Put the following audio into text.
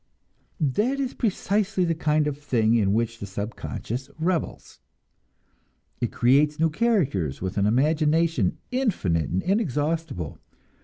That is precisely the kind of thing in which the subconscious revels. It creates new characters, with an imagination infinite and inexhaustible.